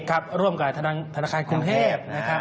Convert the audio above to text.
ร่วมกับธนาคารกรุงเทพนะครับ